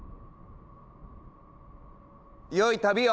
良い旅を！